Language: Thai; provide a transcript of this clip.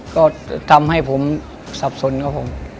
ก็ทำให้ผมสับสนครับผม